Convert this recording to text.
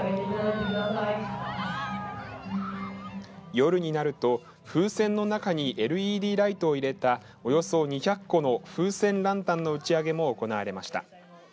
夜になると風船の中にＬＥＤライトを入れたおよそ２００個の風船ランタンの打ち上げも行われました。